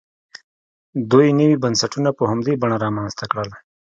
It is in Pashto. دوی نوي بنسټونه په همدې بڼه رامنځته کړل.